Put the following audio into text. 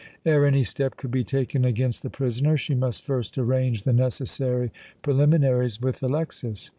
Ere any step could be taken against the prisoner, she must first arrange the necessary preliminaries with Alexas.